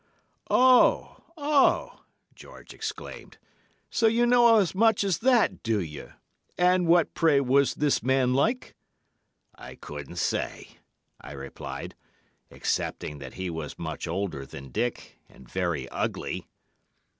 "'Oh, oh!' George exclaimed; 'so you know as much as that, do you? And what, pray, was this man like?' "'I couldn't say,' I replied, 'excepting that he was much older than Dick, and very ugly.